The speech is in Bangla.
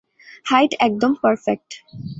হাইট একদম পারফেক্ট।